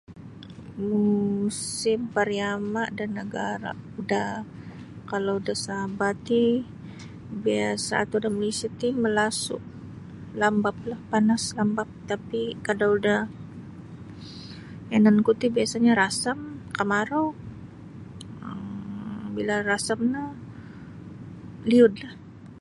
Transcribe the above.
Muusim pariama' da nagara' da kalau da Sabah ti biasa' atau da Malaysia ti malasu' lambaplah panas lambap tapi' kalau da yananku ti biasanyo rasam kamarau um bila rasam no liudlah.